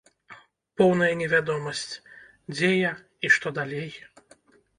Поўная невядомасць, дзе я і што далей.